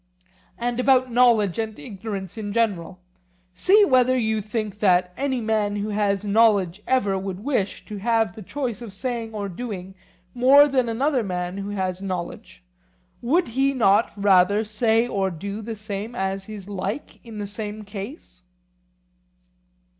And about knowledge and ignorance in general; see whether you think that any man who has knowledge ever would wish to have the choice of saying or doing more than another man who has knowledge. Would he not rather say or do the same as his like in the same case?